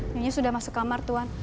nyanyi sudah masuk kamar tuhan